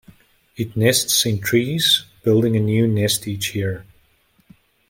It nests in trees, building a new nest each year.